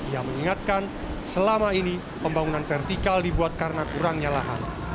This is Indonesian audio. yang mengingatkan selama ini pembangunan vertikal dibuat karena kurangnya lahan